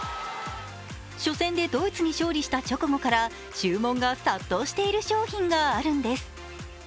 初戦でドイツに勝利した直後から注文が殺到している商品があるんです。